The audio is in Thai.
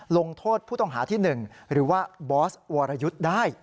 ลงโทษผู้ต้องหาที่๑หรือว่าบอสวรยุทธ์ได้